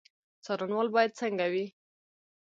څارنوال باید څنګه وي؟